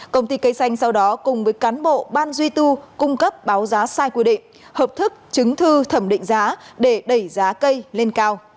công ty cây xanh sau đó cùng với cán bộ ban duy tu cung cấp báo giá sai quy định hợp thức chứng thư thẩm định giá để đẩy giá cây lên cao